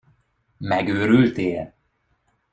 Megőrültél?